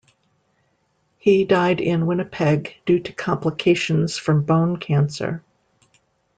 He died in Winnipeg due to complications from bone cancer.